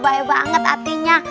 pada bye bye banget artinya